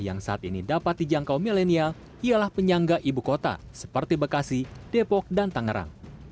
yang saat ini dapat dijangkau milenial ialah penyangga ibu kota seperti bekasi depok dan tangerang